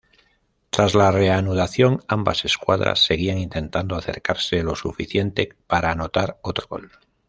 Tras la reanudación, ambas escuadras seguían intentando acercarse lo suficiente para anotar otro gol.